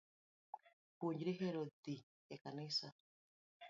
Puonjri hero dhii e kanisa